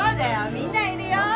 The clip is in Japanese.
みんないるよ。